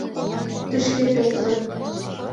Тышке толза!